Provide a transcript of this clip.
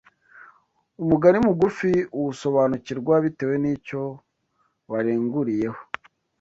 Umugani mugufi uwusobanukirwa bitewe n’icyo barenguriyeho